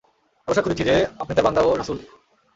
আরো সাক্ষ্য দিচ্ছি যে, আপনি তার বান্দা ও রাসূল।